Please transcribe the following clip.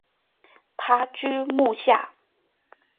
他居墓下。